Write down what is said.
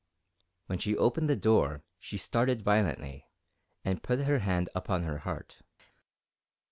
When she opened the door, she started violently, and put her hand upon her heart.